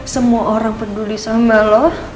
semua orang peduli sama loh